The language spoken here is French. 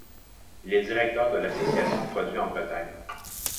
Il est directeur de l'Association Produit en Bretagne.